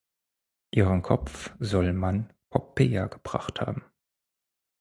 Ihren Kopf soll man Poppaea gebracht haben.